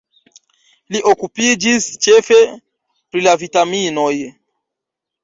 Li okupiĝis ĉefe pri la vitaminoj.